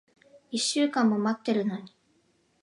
一週間も待ってるのに。